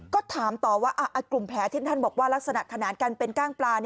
ก็ถามต่อว่ากลุ่มแผลที่ท่านบอกว่าลักษณะขนาดการเป็นก้างปลา